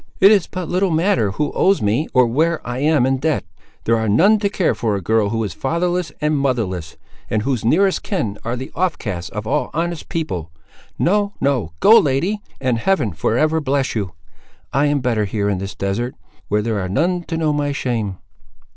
"It is but little matter who owes me, or where I am in debt. There are none to care for a girl who is fatherless and motherless, and whose nearest kin are the offcasts of all honest people. No, no; go, lady, and Heaven for ever bless you! I am better here, in this desert, where there are none to know my shame."